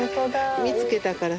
見つけたからさ。